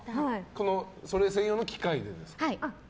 それ専用の機械でですか？